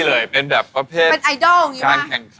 ก็เป็นแบบแบบพอใครฟิศเนสแต่ขอขอขอ